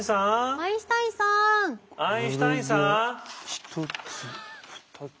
１つ２つ。